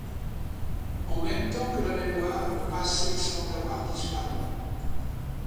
En même temps que la mémoire, le passé semble avoir disparu.